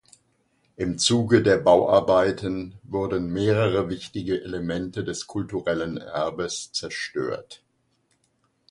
Im Zuge der Bauarbeiten wurden mehrere wichtige Elemente des kulturellen Erbes zerstört.